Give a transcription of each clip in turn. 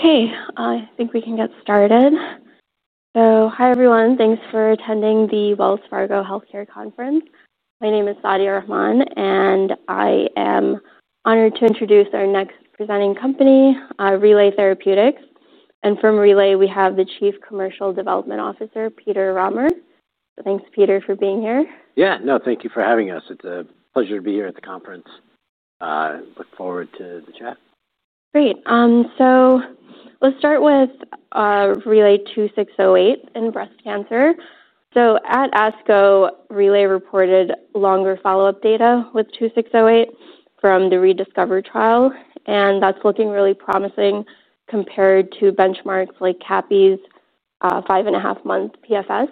Okay, I think we can get started. Hi, everyone. Thanks for attending the Wells Fargo Healthcare Conference. My name is Sadia Rahman, and I am honored to introduce our next presenting company, Relay Therapeutics. From Relay, we have the Chief Commercial Development Officer, Peter Rahmer. Thanks, Peter, for being here. Yeah, no, thank you for having us. It's a pleasure to be here at the conference. I look forward to the chat. Great. Let's start with RLY-2608 in breast cancer. At ASCO, Relay Therapeutics reported longer follow-up data with RLY-2608 from the rediscover trial, and that's looking really promising compared to benchmarks like capivasertib's 5.5 month PFS.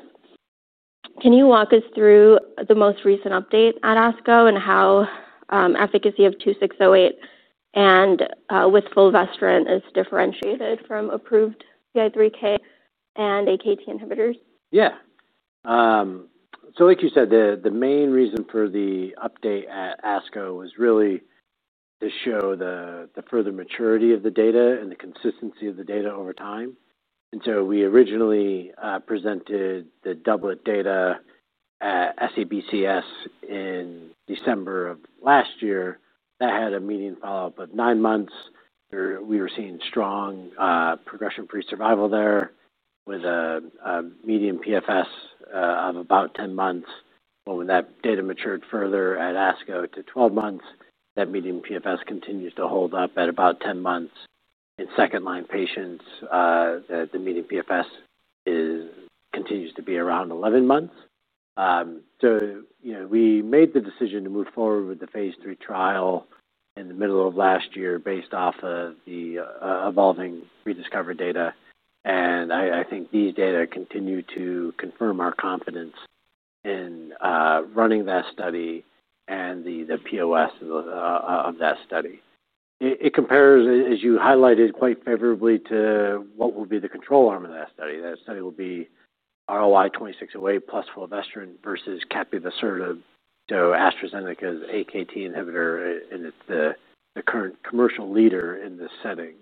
Can you walk us through the most recent update at ASCO and how efficacy of RLY-2608 with fulvestrant is differentiated from approved PI3K and AKT inhibitors? eah. Like you said, the main reason for the update at ASCO was really to show the further maturity of the data and the consistency of the data over time. We originally presented the doublet data at SABCS in December of last year. That had a median follow-up of nine months. We were seeing strong progression-free survival there with a median PFS of about 10 months. When that data matured further at ASCO to 12 months, that median PFS continues to hold up at about 10 months. In second-line patients, the median PFS continues to be around 11 months. We made the decision to move forward with the phase III trial in the middle of last year based off of the evolving rediscover data. I think these data continue to confirm our confidence in running that study and the POS of that study. It compares, as you highlighted, quite favorably to what will be the control arm of that study. That study will be RLY-2608 plus fulvestrant versus capivasertib. AstraZeneca's AKT inhibitor is the current commercial leader in this setting,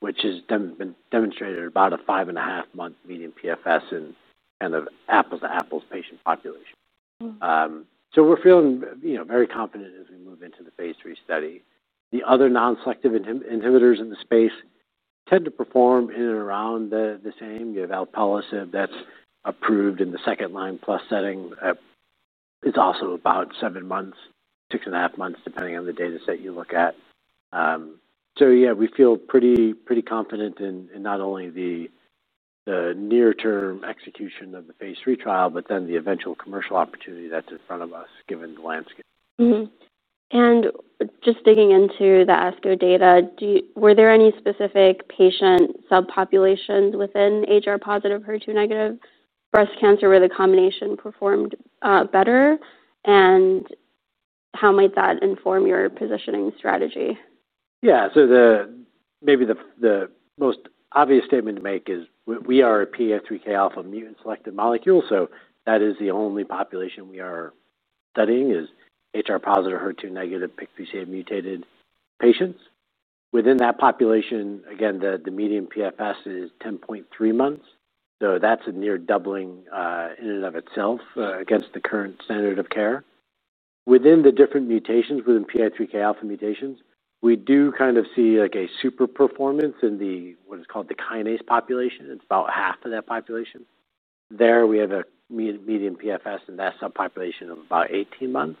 which has been demonstrated at about a five and a half month median PFS in kind of apples-to-apples patient population. We are feeling very confident as we move into the phase III study. The other non-selective inhibitors in the space tend to perform in and around the same. You have alpelisib that's approved in the second-line plus setting. It's also about seven months, six and a half months, depending on the data set you look at. We feel pretty confident in not only the near-term execution of the phase III trial, but then the eventual commercial opportunity that's in front of us given the landscape. Digging into the ASCO data, were there any specific patient subpopulations within HR-positive, HER2-negative breast cancer where the combination performed better? How might that inform your positioning strategy? Yeah. Maybe the most obvious statement to make is we are a PI3K alpha mutant selective molecule. That is the only population we are studying, HR-positive, HER2-negative, PIK3CA-mutated patients. Within that population, the median PFS is 10.3 months. That's a near doubling in and of itself against the current standard of care. Within the different mutations, within PI3K alpha mutations, we do see a super performance in what is called the kinase population. It's about half of that population. There we have a median PFS in that subpopulation of about 18 months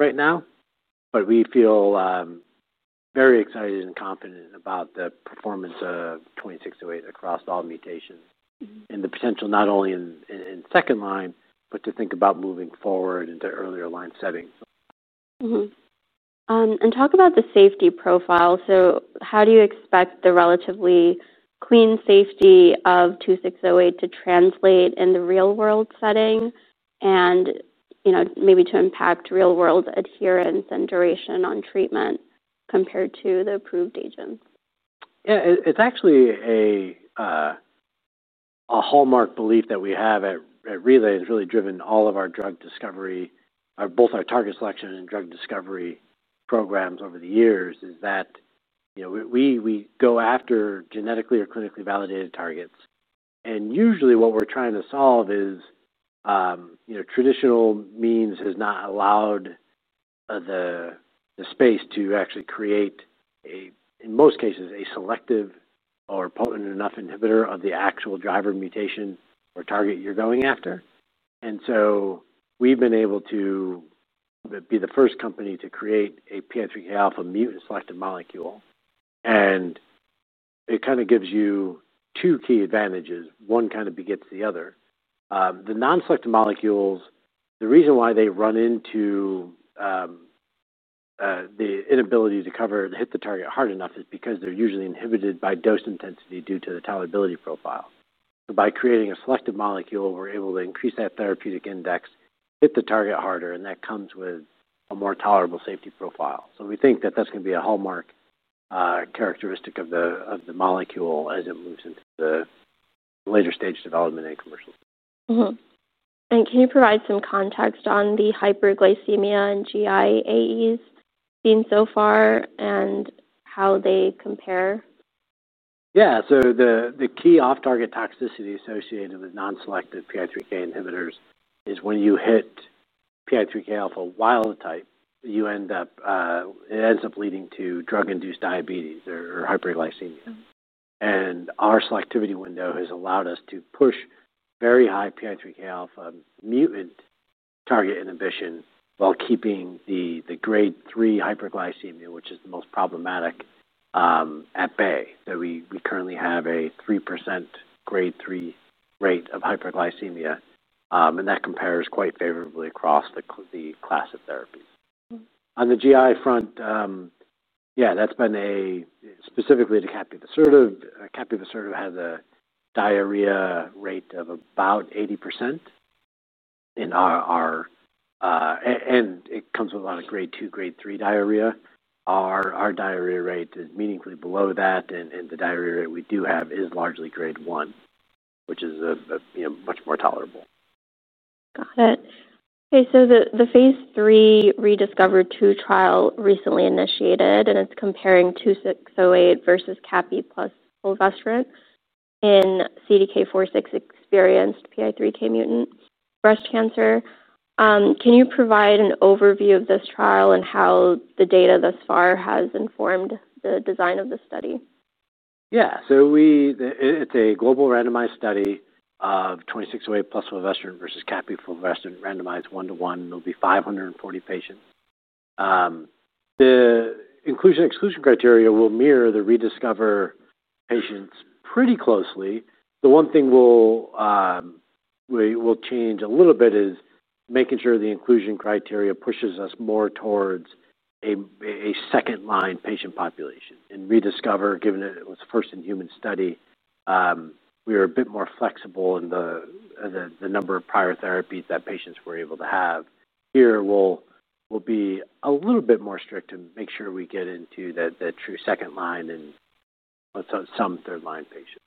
right now. We feel very excited and confident about the performance of RLY-2608 across all mutations and the potential not only in second line, but to think about moving forward into earlier line settings. Talk about the safety profile. How do you expect the relatively clean safety of RLY-2608 to translate in the real-world setting, and maybe to impact real-world adherence and duration on treatment compared to the approved agents? Yeah, it's actually a hallmark belief that we have at Relay that's really driven all of our drug discovery, both our target selection and drug discovery programs over the years, is that we go after genetically or clinically validated targets. Usually what we're trying to solve is, traditional means have not allowed the space to actually create, in most cases, a selective or potent enough inhibitor of the actual driver mutation or target you're going after. We've been able to be the first company to create a PI3K alpha mutant selective molecule. It kind of gives you two key advantages. One kind of begets the other. The non-selective molecules, the reason why they run into the inability to hit the target hard enough is because they're usually inhibited by dose intensity due to the tolerability profile. By creating a selective molecule, we're able to increase that therapeutic index, hit the target harder, and that comes with a more tolerable safety profile. We think that that's going to be a hallmark characteristic of the molecule as it moves into the later stage development and commercial. Can you provide some context on the hyperglycemia and GIAEs seen so far and how they compare? Yeah. The key off-target toxicity associated with non-selective PI3K inhibitors is when you hit PI3K alpha wild type, it ends up leading to drug-induced diabetes or hyperglycemia. Our selectivity window has allowed us to push very high PI3K alpha mutant target inhibition while keeping the grade 3 hyperglycemia, which is the most problematic, at bay. We currently have a 3% grade 3 rate of hyperglycemia, and that compares quite favorably across the class of therapies. On the GI front, that's been specific to capivasertib. Capivasertib has a diarrhea rate of about 80%, and it comes with a lot of grade 2, grade 3 diarrhea. Our diarrhea rate is meaningfully below that, and the diarrhea rate we do have is largely grade 1, which is much more tolerable. Got it. Okay. The phase III ReDiscover-2 trial recently initiated, and it's comparing RLY-2608 versus capivasertib plus fulvestrant in CDK4/6-experienced PIK3CA-mutated breast cancer. Can you provide an overview of this trial and how the data thus far has informed the design of the study? Yeah. It's a global randomized study of RLY-2608 plus fulvestrant versus capivasertib plus fulvestrant, randomized one to one. There'll be 540 patients. The inclusion and exclusion criteria will mirror the rediscover patients pretty closely. The one thing we'll change a little bit is making sure the inclusion criteria pushes us more towards a second-line patient population. In rediscover, given that it was the first in human study, we were a bit more flexible in the number of prior therapies that patients were able to have. Here we'll be a little bit more strict and make sure we get into the true second line and some third line patients.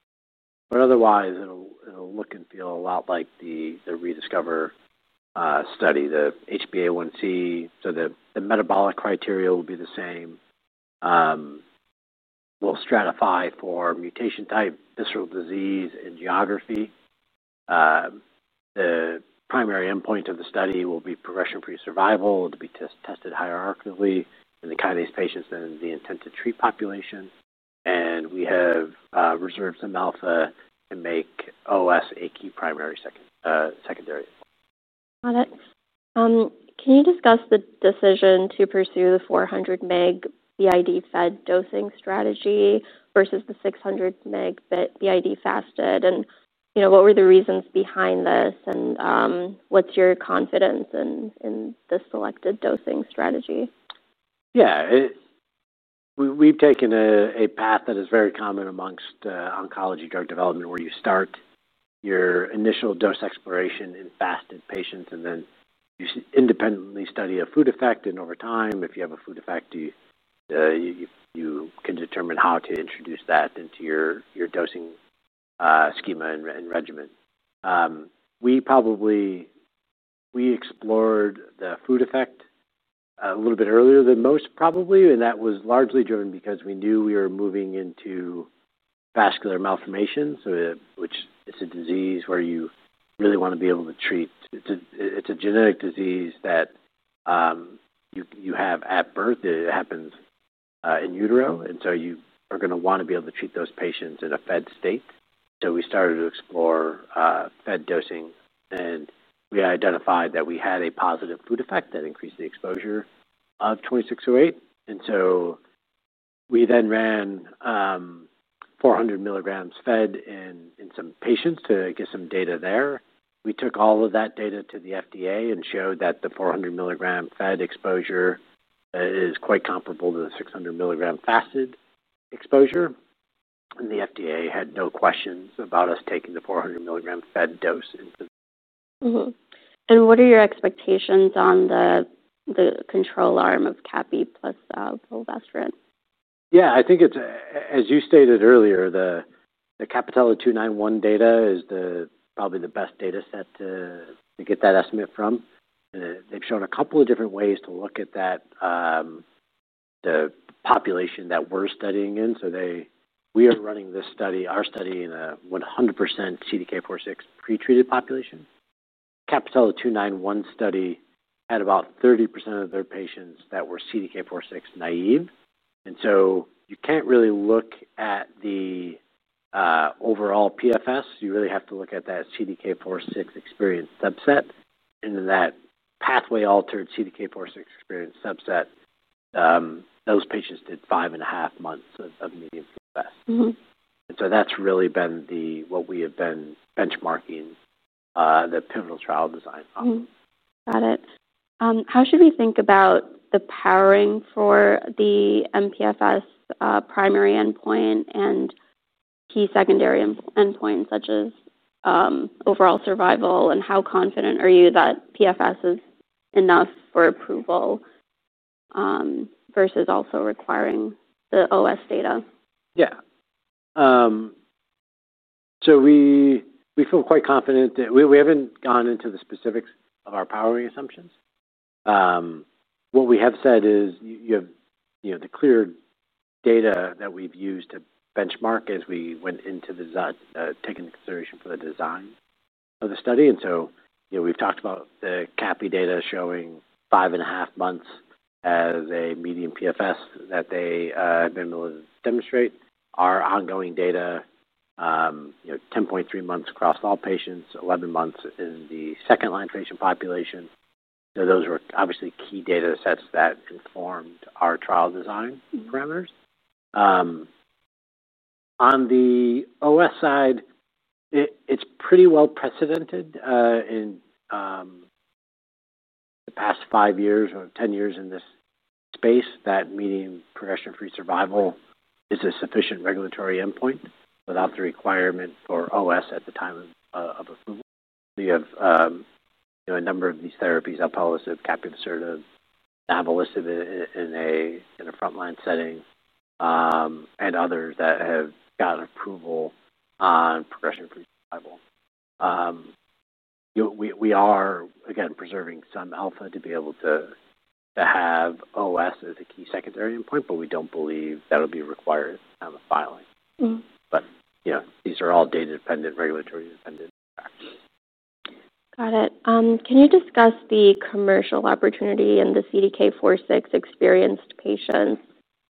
Otherwise, it'll look and feel a lot like the rediscover study, the HbA1c. The metabolic criteria will be the same. We'll stratify for mutation type, visceral disease, and geography. The primary endpoint of the study will be progression-free survival. It'll be tested hierarchically in the kinase patients and the intent to treat population. We have reserved some alpha to make OS a key primary secondary. Got it. Can you discuss the decision to pursue the 400 mg BID fed dosing strategy versus the 600 mg BID fasted? What were the reasons behind this? What's your confidence in the selected dosing strategy? Yeah. We've taken a path that is very common amongst oncology drug development where you start your initial dose exploration in fasted patients, and then you independently study a food effect. Over time, if you have a food effect, you can determine how to introduce that into your dosing schema and regimen. We probably explored the food effect a little bit earlier than most, probably. That was largely driven because we knew we were moving into vascular malformation, which is a disease where you really want to be able to treat. It's a genetic disease that you have at birth. It happens in utero. You are going to want to be able to treat those patients in a fed state. We started to explore fed dosing, and we identified that we had a positive food effect that increased the exposure of RLY-2608. We then ran 400 milligrams fed in some patients to get some data there. We took all of that data to the FDA and showed that the 400 milligram fed exposure is quite comparable to the 600 milligram fasted exposure. The FDA had no questions about us taking the 400 milligram fed dose. What are your expectations on the control arm of capivasertib plus fulvestrant? Yeah. I think it's, as you stated earlier, the CAPItello-291 data is probably the best data set to get that estimate from. They've shown a couple of different ways to look at that, the population that we're studying in. We are running this study, our study, in a 100% CDK4/6 pretreated population. The CAPItello-291 study had about 30% of their patients that were CDK4/6 naive. You can't really look at the overall PFS. You really have to look at that CDK4/6-experienced subset. In that pathway-altered CDK4/6-experienced subset, those patients did five and a half months of median progression-free survival. That's really been what we have been benchmarking the pivotal trial design on. Got it. How should we think about the powering for the median progression-free survival, primary endpoint, and key secondary endpoints such as overall survival? How confident are you that PFS is enough for approval versus also requiring the OS data? Yeah. We feel quite confident that we haven't gone into the specifics of our powering assumptions. What we have said is you have, you know, the clear data that we've used to benchmark as we went into taking consideration for the designs of the study. You know, we've talked about the capi data showing five and a half months as a median PFS that they have been able to demonstrate. Our ongoing data, you know, 10.3 months across all patients, 11 months in the second-line patient population. Those were obviously key data sets that informed our trial design parameters. On the OS side, it's pretty well precedented in the past 5 years or 10 years in this space that meeting progression-free survival is a sufficient regulatory endpoint without the requirement for OS at the time of approval. We have, you know, a number of these therapies, alpelisib, capivasertib, the alpelisib in a frontline setting, and others that have gotten approval on progression-free survival. We are, again, preserving some alpha to be able to have OS as a key secondary endpoint, but we don't believe that'll be required at the time of finalizing. You know, these are all data-dependent, regulatory-dependent. Got it. Can you discuss the commercial opportunity in the CDK4/6-experienced patients,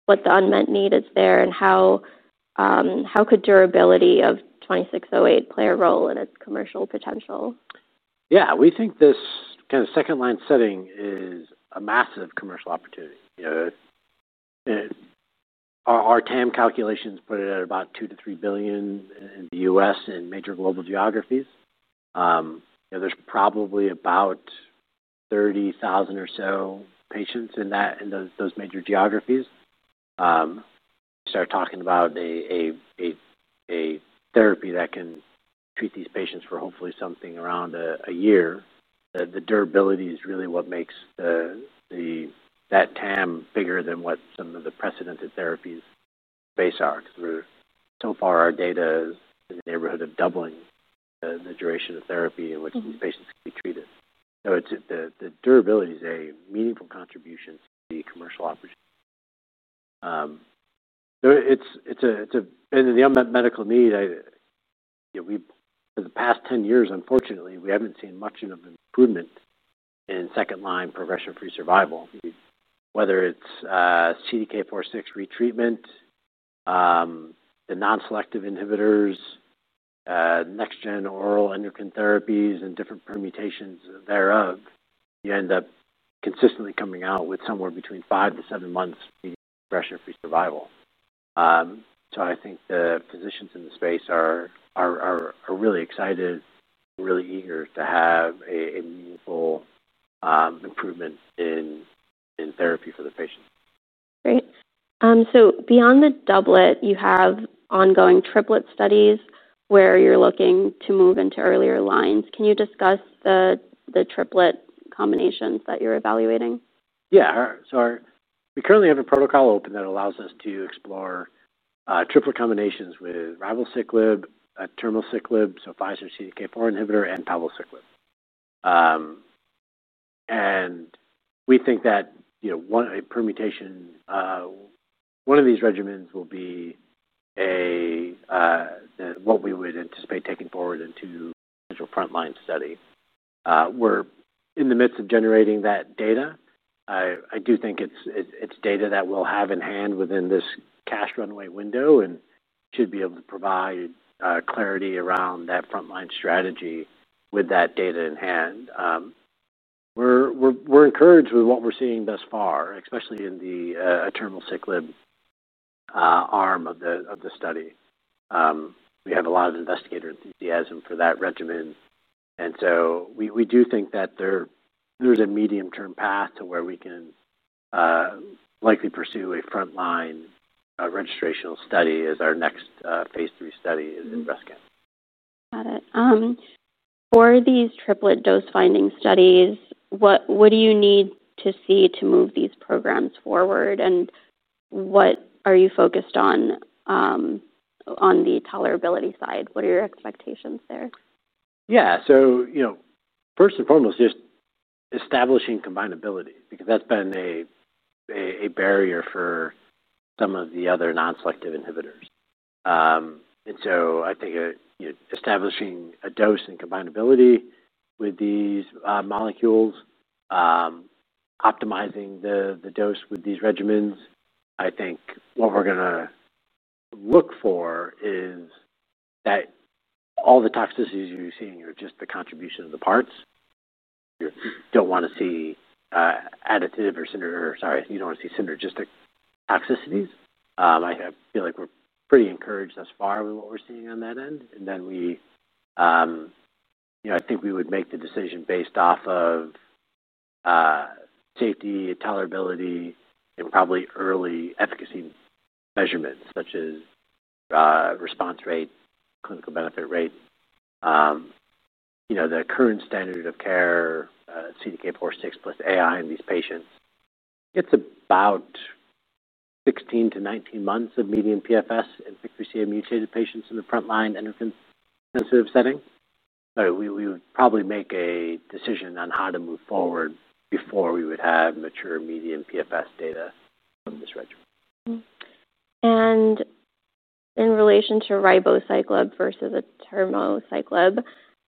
what the unmet need is there, and how could durability of RLY-2608 play a role in its commercial potential? Yeah. We think this kind of second-line setting is a massive commercial opportunity. Our TAM calculations put it at about $2 billion-$3 billion in the U.S. and major global geographies. There's probably about 30,000 or so patients in those major geographies. You start talking about a therapy that can treat these patients for hopefully something around a year. The durability is really what makes that TAM bigger than what some of the precedented therapies base are, because so far, our data is in the neighborhood of doubling the duration of therapy in which these patients can be treated. The durability is a meaningful contribution to the commercial opportunity. The unmet medical need, for the past 10 years, unfortunately, we haven't seen much of an improvement in second-line progression-free survival. Whether it's CDK4/6 retreatment, the non-selective inhibitors, NextGen oral endocrine therapies, and different permutations thereof, you end up consistently coming out with somewhere between five to seven months of progression-free survival. I think the physicians in the space are really excited and really eager to have meaningful improvements in therapy for the patient. Great. Beyond the doublet, you have ongoing triplet studies where you're looking to move into earlier lines. Can you discuss the triplet combinations that you're evaluating? Yeah. We currently have a protocol open that allows us to explore triplet combinations with ribociclib, temociclib, so Pfizer CDK4/6 inhibitor, and palbociclib. We think that, you know, one permutation, one of these regimens will be what we would anticipate taking forward into a frontline study. We're in the midst of generating that data. I do think it's data that we'll have in hand within this cash runway window and should be able to provide clarity around that frontline strategy with that data in hand. We're encouraged with what we're seeing thus far, especially in the temociclib arm of the study. We have a lot of investigator enthusiasm for that regimen. We do think that there's a medium-term path to where we can likely pursue a frontline registration study as our next phase III study in breast cancer. Got it. For these triplet dose finding studies, what do you need to see to move these programs forward? What are you focused on on the tolerability side? What are your expectations there? Yeah. First and foremost, just establishing combinability because that's been a barrier for some of the other non-selective inhibitors. I think establishing a dose and combinability with these molecules, optimizing the dose with these regimens. I think what we're going to look for is that all the toxicities you're seeing are just the contribution of the parts. You don't want to see additive or, sorry, you don't want to see synergistic toxicities. I feel like we're pretty encouraged thus far with what we're seeing on that end. I think we would make the decision based off of safety, tolerability, and probably early efficacy measurements such as response rates, clinical benefit rates. The current standard of care, CDK4/6 plus AI in these patients gets about 16-19 months of median PFS in PIK3CA-mutated patients in the frontline endocrine sensitive setting. We would probably make a decision on how to move forward before we would have mature median PFS data from this regimen. In relation to ribociclib versus temociclib,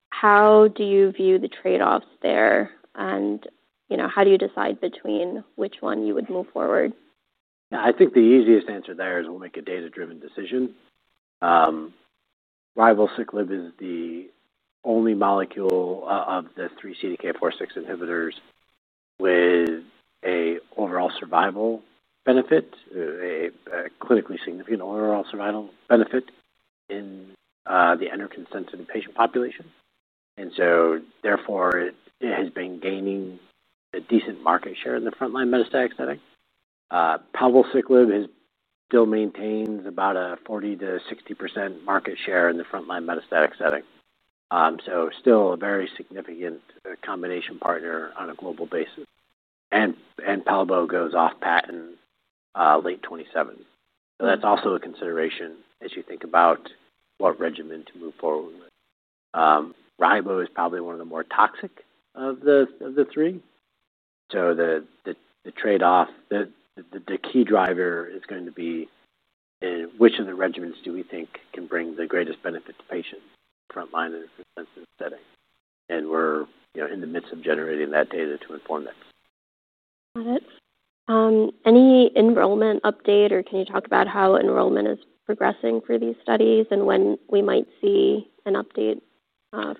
how do you view the trade-offs there? How do you decide between which one you would move forward? Yeah. I think the easiest answer there is we'll make a data-driven decision. Ribociclib is the only molecule of the three CDK4/6 inhibitors with an overall survival benefit, a clinically significant overall survival benefit in the endocrine-sensitive patient population. Therefore, it has been gaining a decent market share in the frontline metastatic setting. Palbociclib still maintains about a 40%-60% market share in the frontline metastatic setting, so still a very significant combination partner on a global basis. Palbociclib goes off patent late 2027. That's also a consideration as you think about what regimen to move forward with. Ribociclib is probably one of the more toxic of the three. The key driver is going to be in which of the regimens do we think can bring the greatest benefit to patients in the frontline and the sensitive setting. We're in the midst of generating that data to inform that. Got it. Any enrollment update, or can you talk about how enrollment is progressing for these studies and when we might see an update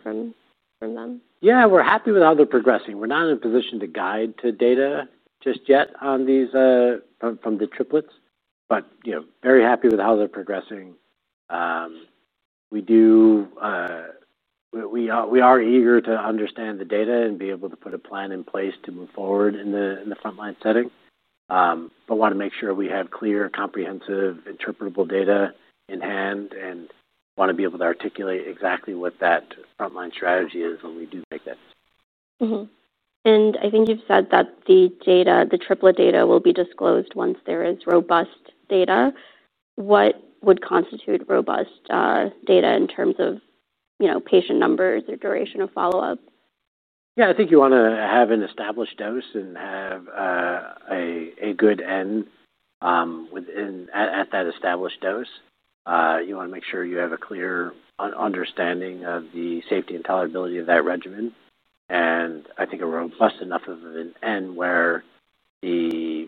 from them? Yeah. We're happy with how they're progressing. We're not in a position to guide to data just yet on these, from the triplets, but you know, very happy with how they're progressing. We are eager to understand the data and be able to put a plan in place to move forward in the frontline setting. We want to make sure we have clear, comprehensive, interpretable data in hand and want to be able to articulate exactly what that frontline strategy is when we do make that decision. I think you've said that the triplet data will be disclosed once there is robust data. What would constitute robust data in terms of, you know, patient numbers or duration of follow-up? Yeah. I think you want to have an established dose and have a good end within at that established dose. You want to make sure you have a clear understanding of the safety and tolerability of that regimen. I think a robust enough of an end where the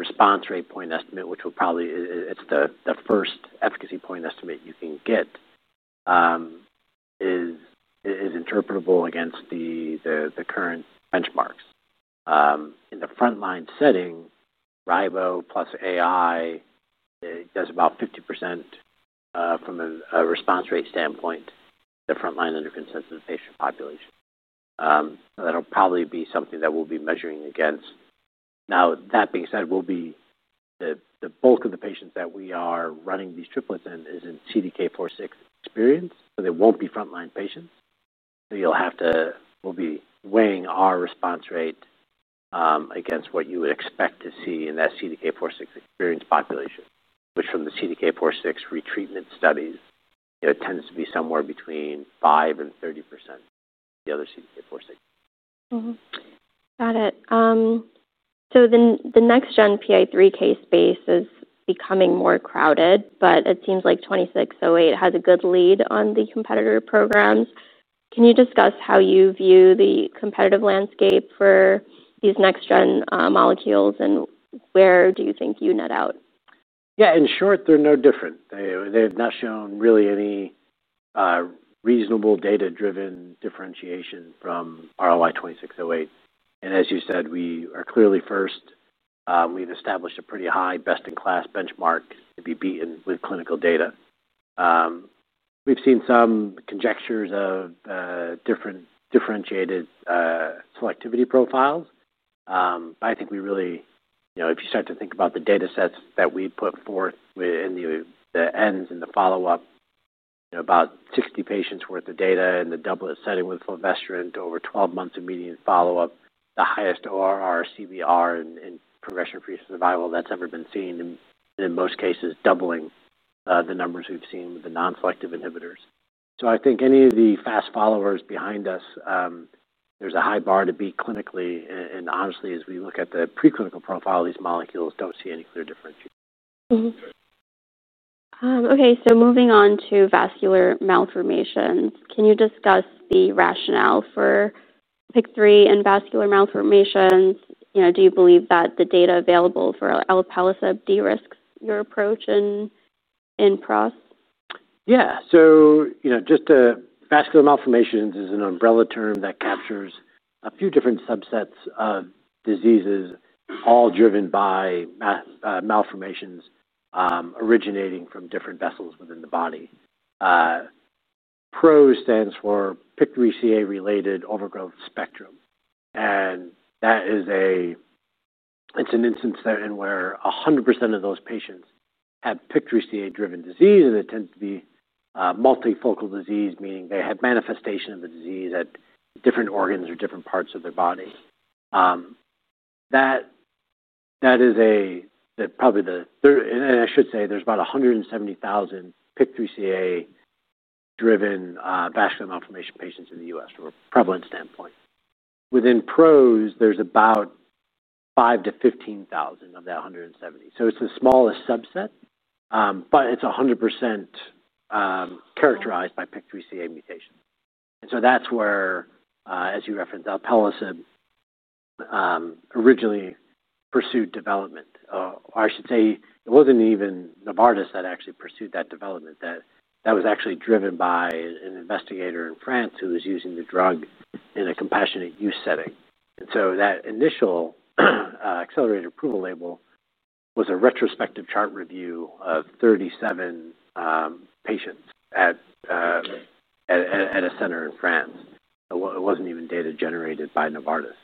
response rate point estimate, which will probably, it's the first efficacy point estimate you can get, is interpretable against the current benchmarks. In the frontline setting, ribociclib plus AI does about 50% from a response rate standpoint in the frontline endocrine-sensitive patient population. That'll probably be something that we'll be measuring against. That being said, the bulk of the patients that we are running these triplets in is in CDK4/6-experienced, so they won't be frontline patients. You'll have to, we'll be weighing our response rate against what you would expect to see in that CDK4/6-experienced population, which from the CDK4/6 retreatment studies, you know, tends to be somewhere between 5% and 30% the other CDK4/6. Mm-hmm. Got it. So then the NextGen PI3K space is becoming more crowded, but it seems like 2608 has a good lead on the competitor programs. Can you discuss how you view the competitive landscape for these NextGen molecules and where do you think you net out? Yeah. In short, they're no different. They have not shown really any reasonable data-driven differentiation from RLY-2608. As you said, we are clearly first. We've established a pretty high best-in-class benchmark to be beaten with clinical data. We've seen some conjectures of different differentiated selectivity profiles, but I think we really, you know, if you start to think about the data sets that we put forth within the ends and the follow-up, you know, about 60 patients' worth of data in the doublet setting with fulvestrant over 12 months of median follow-up, the highest ORR, CVR, and progression-free survival that's ever been seen. In most cases, doubling the numbers we've seen with the non-selective inhibitors. I think any of the fast followers behind us, there's a high bar to beat clinically. Honestly, as we look at the preclinical profile of these molecules, don't see any clear difference. kay. Moving on to vascular malformation, can you discuss the rationale for PIK3 and vascular malformations? Do you believe that the data available for alpelisib de-risks your approach in PROS? Yeah. So, you know, just a vascular malformation is an umbrella term that captures a few different subsets of diseases, all driven by malformations, originating from different vessels within the body. PROS stands for PIK3CA-related overgrowth spectrum. That is a, it's an instance in where 100% of those patients have PIK3CA-driven disease, and it tends to be a multifocal disease, meaning they have manifestation of the disease at different organs or different parts of their body. That is probably the third, and I should say there's about 170,000 PIK3CA-driven vascular malformation patients in the U.S. from a prevalence standpoint. Within PROS, there's about 5,000-15,000 of that 170,000. It's the smallest subset, but it's 100% characterized by PIK3CA mutation. That's where, as you referenced, alpelisib originally pursued development. I should say it wasn't even Novartis that actually pursued that development. That was actually driven by an investigator in France who was using the drug in a compassionate use setting. That initial accelerated approval label was a retrospective chart review of 37 patients at a center in France. It wasn't even data generated by Novartis.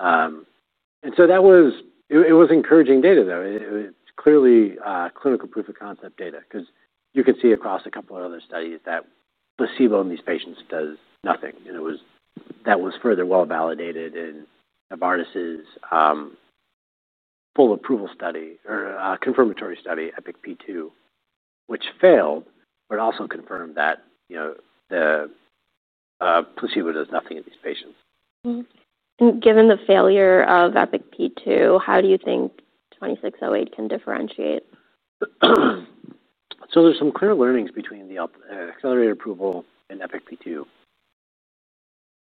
That was encouraging data, though. It's clearly clinical proof of concept data because you could see across a couple of other studies that placebo in these patients does nothing. That was further well validated in Novartis' full approval study or confirmatory study, EPIC P2, which failed, but also confirmed that the placebo does nothing in these patients. Given the failure of EPIC P2, how do you think RLY-2608 can differentiate? There are some clear learnings between the accelerated approval and EPIC P2.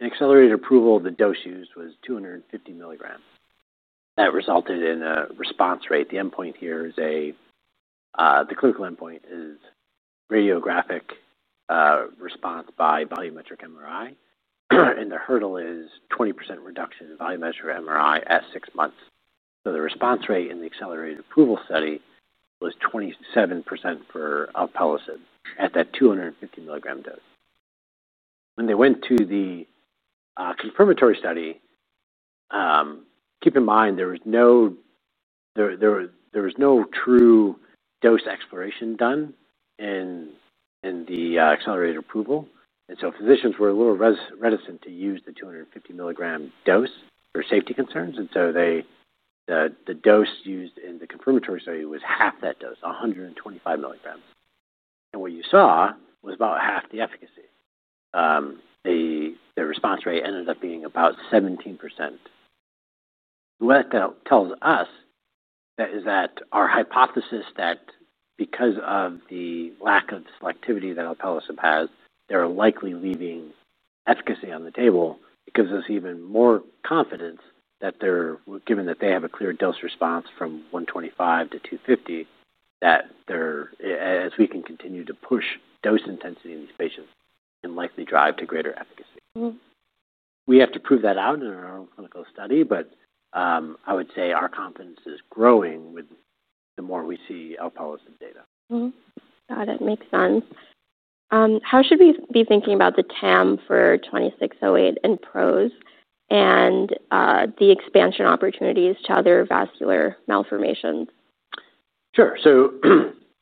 In accelerated approval, the dose used was 250 mgg. That resulted in a response rate. The endpoint here is a, the clinical endpoint is radiographic response by volumetric MRI. The hurdle is 20% reduction in volumetric MRI at six months. The response rate in the accelerated approval study was 27% for alpelisib at that 250 mgg dose. When they went to the confirmatory study, keep in mind, there was no true dose exploration done in the accelerated approval. Physicians were a little reticent to use the 250 mg dose for safety concerns. The dose used in the confirmatory study was half that dose, 125 mg. What you saw was about half the efficacy. The response rate ended up being about 17%. What that tells us is that our hypothesis that because of the lack of selectivity that alpelisib has, they're likely leaving efficacy on the table. It gives us even more confidence that they're, given that they have a clear dose response from 125-250, that as we can continue to push dose intensity in these patients and likely drive to greater efficacy. We have to prove that out in our own clinical study, but I would say our confidence is growing the more we see alpelisib data. Got it. Makes sense. How should we be thinking about the TAM for RLY-2608 and PROS and the expansion opportunities to other vascular malformations? Sure.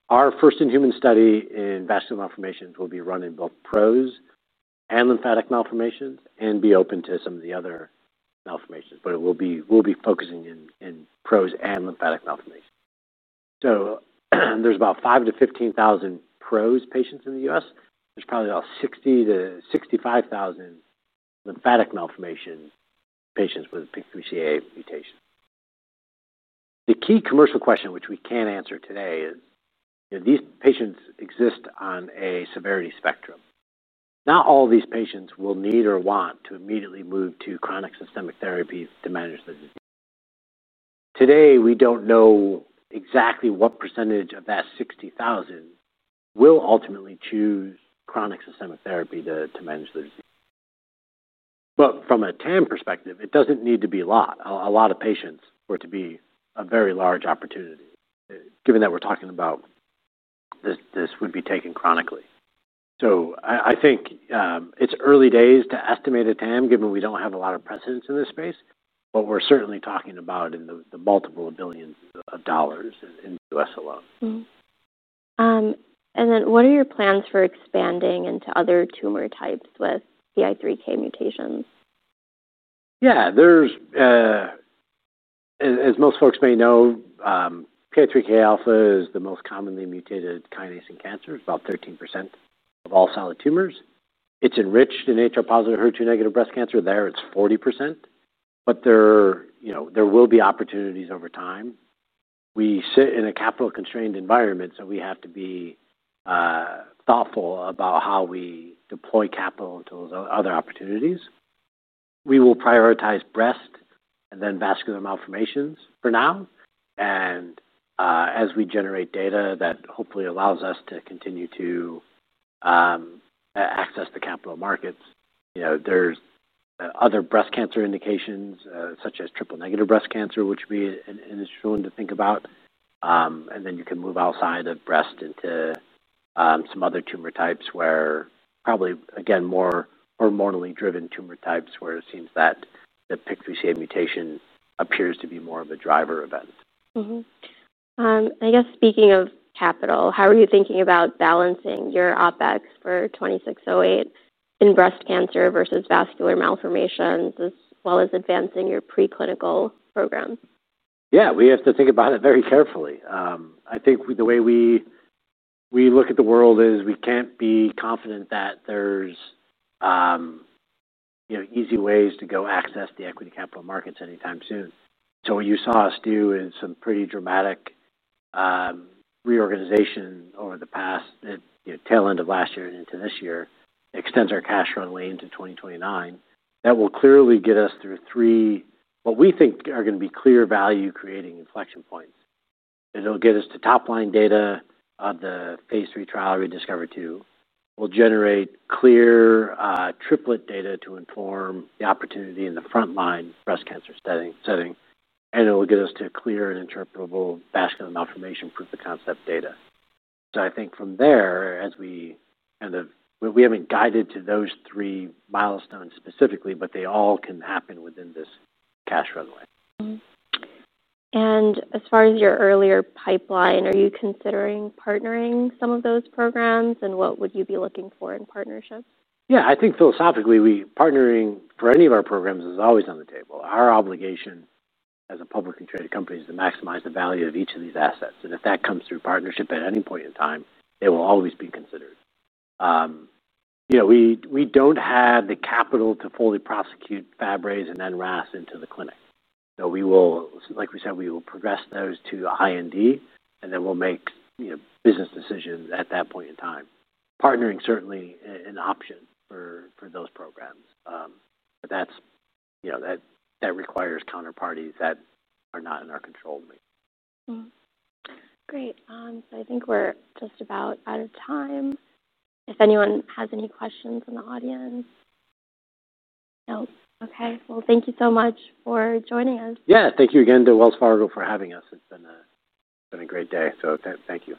Our first in human study in vascular malformations will be run in both PROS and lymphatic malformations and be open to some of the other malformations. We'll be focusing in PROS and lymphatic malformations. There's about 5,000-15,000 PROS patients in the U.S. There's probably about 60,000-65,000 lymphatic malformation patients with PIK3CA mutation. The key commercial question, which we can't answer today, is, you know, these patients exist on a severity spectrum. Not all of these patients will need or want to immediately move to chronic systemic therapy to manage the disease. Today, we don't know exactly what % of that 60,000 will ultimately choose chronic systemic therapy to manage the disease. From a total addressable market (TAM) perspective, it doesn't need to be a lot. A lot of patients would be a very large opportunity, given that we're talking about this would be taken chronically. I think it's early days to estimate a TAM, given we don't have a lot of precedence in this space, but we're certainly talking about in the multiple of billions of dollars in the U.S. alone. What are your plans for expanding into other tumor types with PI3K mutations? Yeah. As most folks may know, PI3K alpha is the most commonly mutated kinase in cancer. It's about 13% of all solid tumors. It's enriched in HR-positive, HER2-negative breast cancer. There, it's 40%. There will be opportunities over time. We sit in a capital-constrained environment, so we have to be thoughtful about how we deploy capital to those other opportunities. We will prioritize breast and then vascular malformations for now. As we generate data that hopefully allows us to continue to access the capital markets, there's other breast cancer indications such as triple negative breast cancer, which we initially want to think about. You can move outside of breast into some other tumor types where probably, again, more hormonally driven tumor types where it seems that the PIK3CA mutation appears to be more of a driver event. I guess speaking of capital, how are you thinking about balancing your OpEx for RLY-2608 in breast cancer versus vascular malformations as well as advancing your preclinical program? Yeah. We have to think about it very carefully. I think the way we look at the world is we can't be confident that there's easy ways to go access the equity capital markets anytime soon. What you saw us do is some pretty dramatic reorganization over the past tail end of last year and into this year, extends our cash runway into 2029. That will clearly get us through three what we think are going to be clear value-creating inflection points. It'll get us to top-line data of the phase III trial ReDiscover-2. We'll generate clear triplet data to inform the opportunity in the frontline breast cancer setting. It will get us to clear and interpretable vascular malformation proof of concept data. I think from there, as we kind of, we haven't guided to those three milestones specifically, but they all can happen within this cash runway. As far as your earlier pipeline, are you considering partnering some of those programs? What would you be looking for in partnerships? Yeah. I think philosophically, partnering for any of our programs is always on the table. Our obligation as a publicly traded company is to maximize the value of each of these assets. If that comes through partnership at any point in time, they will always be considered. We don't have the capital to fully prosecute Fabs and then RAS into the clinic. We will, like we said, progress those to a high IND, and then we'll make business decisions at that point in time. Partnering is certainly an option for those programs. That requires counterparties that are not in our control to me. Great. I think we're just about out of time. If anyone has any questions in the audience? No? Okay, thank you so much for joining us. Thank you again to Wells Fargo for having us. It's been a great day, so thank you.